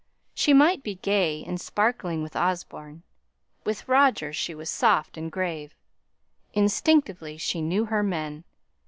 She might be gay and sparkling with Osborne; with Roger she was soft and grave. Instinctively she knew her men.